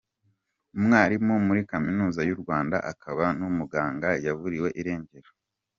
Umwarimu muri Kaminuza y’u Rwanda akaba n’umuganga yaburiwe irengero